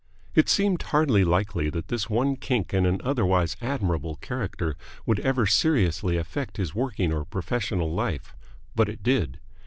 It seemed hardly likely that this one kink in an otherwise admirable character would ever seriously affect his working or professional life, but it did.